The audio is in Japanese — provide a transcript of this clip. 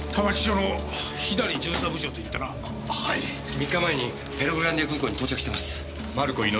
３日前にペルグランディア空港に到着してます。